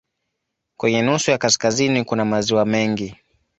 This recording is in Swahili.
Kwenye nusu ya kaskazini kuna maziwa mengi.